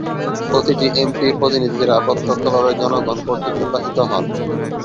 প্রতিটি এমপি, প্রতিনিধিরা প্রত্যক্ষভাবে জনগণ কর্তৃক নির্বাচিত হন।